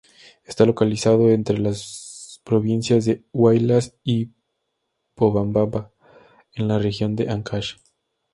Está localizado entre las provincias de Huaylas y Pomabamba en la región de Áncash.